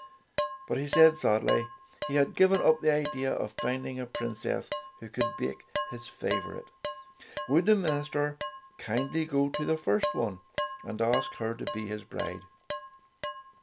But he said sadly he had given up the idea of finding a princess who could bake his favorite. Would the minister kindly go to the first one and ask her to be his bride